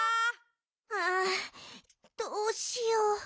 あどうしよう。